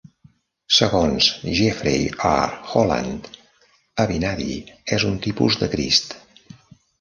Segons Jeffrey R. Holland, Abinadi és un tipus de Crist.